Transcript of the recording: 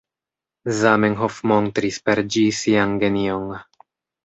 Zamenhof montris per ĝi sian genion.